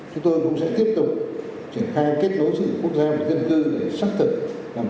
chúng tôi cũng sẽ tiếp tục triển khai kết nối giữa quốc gia và dân cư để xác thực làm sắc cái tài khoản ngân hàng tài khoản thiên báo di động